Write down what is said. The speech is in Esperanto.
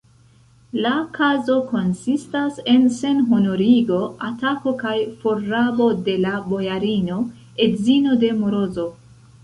La kazo konsistas en senhonorigo, atako kaj forrabo de la bojarino, edzino de Morozov!